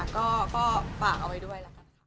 ก็ฝากเอาไว้ด้วย